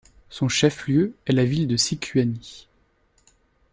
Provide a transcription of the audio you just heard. Son chef-lieu est la ville de Sicuani.